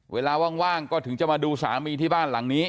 เวลาว่างก็ถึงจะมาดูสามีที่บ้านหลังนี้